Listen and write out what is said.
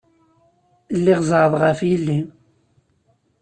Lliɣ zeɛɛḍeɣ ɣef yelli.